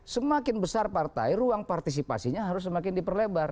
semakin besar partai ruang partisipasinya harus semakin diperlebar